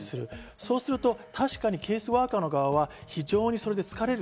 そうすると確かにケースワーカーの側は非常に疲れる。